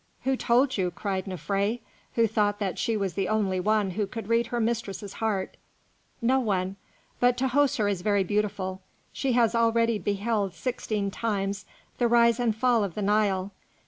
"Who told you?" cried Nofré, who thought that she was the only one who could read her mistress's heart. "No one; but Tahoser is very beautiful; she has already beheld sixteen times the rise and fall of the Nile.